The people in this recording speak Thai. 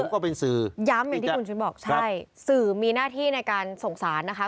คือย้ำอย่างที่คุณชุนบอกสื่อมีหน้าที่ในการสงสารนะคะ